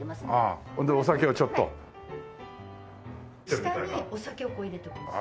下にお酒を入れておきます。